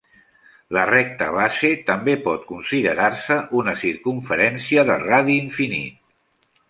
La recta base també pot considerar-se una circumferència, de radi infinit.